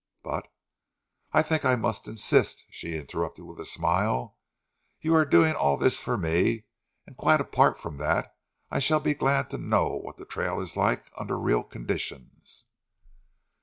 "But " "I think I must insist," she interrupted with a smile. "You are doing all this for me; and quite apart from that, I shall be glad to know what the trail is like under real conditions."